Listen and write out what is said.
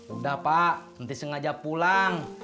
udah pak nanti sengaja pulang